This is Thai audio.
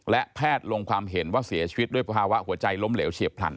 และแพทย์ลงความเห็นว่าเสียชีวิตด้วยภาวะหัวใจล้มเหลวเฉียบพลัน